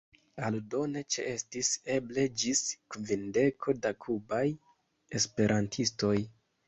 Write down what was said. Aldone ĉeestis eble ĝis kvindeko da kubaj esperantistoj.